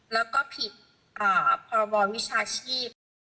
แล้วก็ผิดพรบวิชาชีพ